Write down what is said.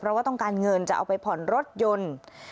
เพราะว่าต้องการเงินจะเอาไปผ่อนรถยนต์